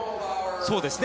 そうですね。